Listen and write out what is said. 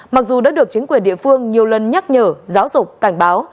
mặc dù đã được chính quyền địa phương nhiều lần nhắc nhở giáo dục cảnh báo